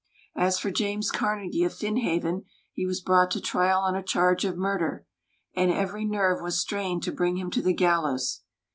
As for James Carnegie of Finhaven, he was brought to trial on a charge of murder, and every nerve was strained to bring him to the gallows.